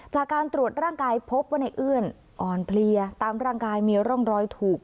จากการตรวจร่างกายพบว่าในเอื้อนอ่อนเพลียตามร่างกายมีร่องรอยถูก